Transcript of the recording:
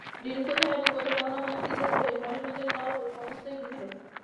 ঋণ কোথায় এবং কোথায় গহনা বন্ধক দিতে হইবে হরসুন্দরী তাহা সমস্তই বুঝিল।